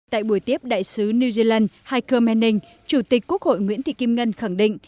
tại buổi tiếp đại sứ new zealand heike menning chủ tịch quốc hội nguyễn thị kim ngân khẳng định